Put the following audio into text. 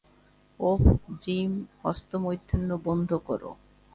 ওহ, Jim, হস্তমৈথুন বন্ধ করো।